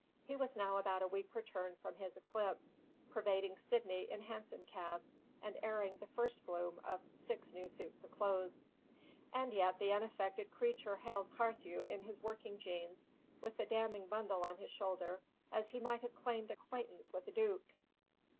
He was now about a week returned from his eclipse, pervading Sydney in hansom cabs and airing the first bloom of six new suits of clothes; and yet the unaffected creature hailed Carthew in his working jeans and with the damning bundle on his shoulder, as he might have claimed acquaintance with a duke.